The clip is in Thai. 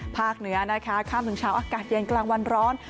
เหนือนะคะข้ามถึงเช้าอากาศเย็นกลางวันร้อน